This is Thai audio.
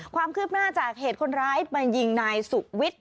ความคืบหน้าจากเหตุคนร้ายมายิงนายสุวิทย์